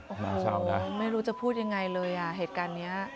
โอ้โหไม่รู้จะพูดยังไงเลยอ่ะเหตุการณ์นี้